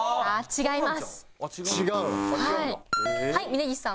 違います。